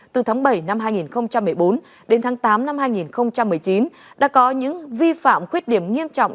từ tháng bảy năm hai nghìn một mươi bốn đến tháng tám năm hai nghìn một mươi chín đã có những vi phạm khuyết điểm nghiêm trọng